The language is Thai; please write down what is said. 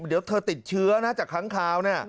เดี๋ยวเธอติดเชื้อนะจากค้างข่าว